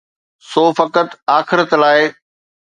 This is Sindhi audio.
سو فقط آخرت لاءِ.